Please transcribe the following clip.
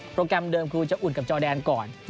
แกรมเดิมคือจะอุ่นกับจอแดนก่อน